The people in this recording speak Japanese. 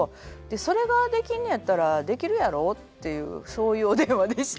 「それができるのやったらできるやろ？」っていうそういうお電話でした。